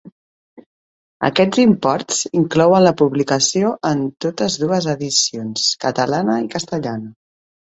Aquests imports inclouen la publicació en totes dues edicions, catalana i castellana.